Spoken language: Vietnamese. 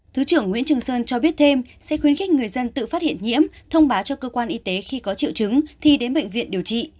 thứ trưởng nguyễn trường sơn cho biết thêm sẽ khuyến khích người dân tự phát hiện nhiễm thông báo cho cơ quan y tế khi có triệu chứng thì đến bệnh viện điều trị